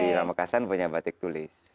di pamekasan punya batik tulis